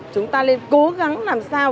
chúng ta nên cố gắng làm sao